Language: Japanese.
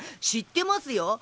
知ってますよ。